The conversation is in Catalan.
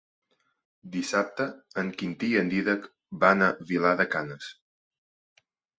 Dissabte en Quintí i en Dídac van a Vilar de Canes.